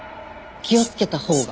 気を付けた方が。